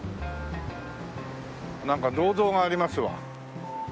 なんか銅像がありますわ。